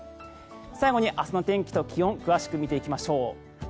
最後に明日の天気と気温を詳しく見ていきましょう。